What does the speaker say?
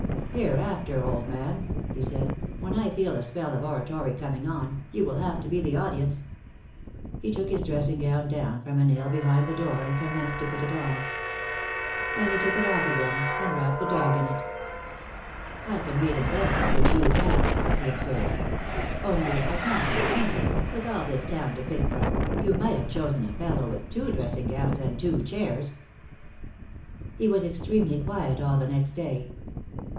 "Hereafter, old man," he said, "when I feel a spell of oratory coming on, you will have to be the audience." He took his dressing gown from a nail behind the door, and commenced to put it on. Then he took it off again and wrapped the dog in it. "I can read in bed, which you can't," he observed. "Only, I can't help thinking, with all this town to pick from, you might have chosen a fellow with two dressing gowns and two chairs." He was extremely quiet all the next day.